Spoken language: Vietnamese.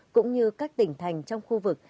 cũng như các tỉnh thành trong khu vực